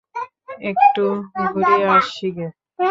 একটু ঘুরিয়া আসি গে।